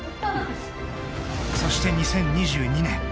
［そして２０２２年］